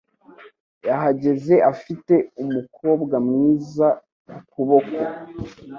Yahageze afite umukobwa mwiza ku kuboko.